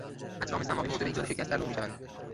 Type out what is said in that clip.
اجرام سماوی موجب ایجاد شکست در نور میشوند.